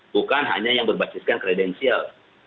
bukan hanya yang berbasiskan kredensial